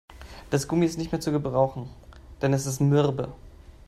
Das Gummi ist nicht mehr zu gebrauchen, denn es ist mürbe.